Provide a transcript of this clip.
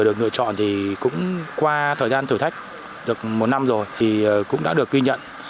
được lựa chọn thì cũng qua thời gian thử thách được một năm rồi thì cũng đã được ghi nhận